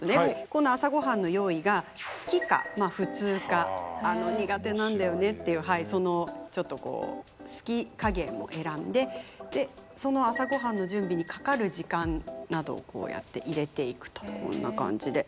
この朝ごはんの用意が好きか普通か苦手なんだよねっていうはいちょっとこう好き加減を選んでその朝ごはんの準備にかかる時間などをこうやって入れていくとこんな感じで。